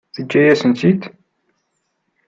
Teǧǧa-yasent-tt-id?